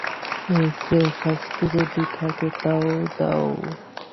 এর চেয়ে শাস্তি যদি থাকে, দাও শাস্তি।